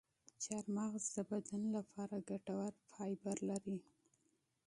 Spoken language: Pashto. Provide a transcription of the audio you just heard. چارمغز د بدن لپاره مفید فایبر لري.